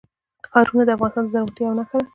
ښارونه د افغانستان د زرغونتیا یوه نښه ده.